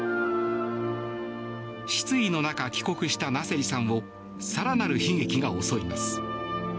失意の中、帰国したナセリさんを更なる悲劇が襲います。